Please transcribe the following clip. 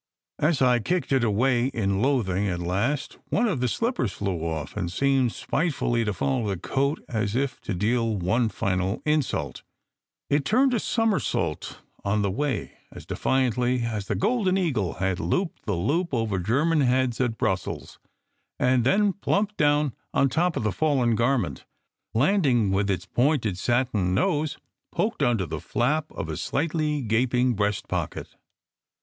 As I kicked it away in loathing at last, one of the slippers flew off and seemed spitefully to follow the coat as if to deal one final insult. It turned a somersault on the way, as defiantly as the Golden Eagle had "looped the loop" over German heads at Brussels, and then plumped down on top of the fallen garment, landing with its pointed satin 290 SECRET HISTORY nose poked under the flap of a slightly gaping breast pocket.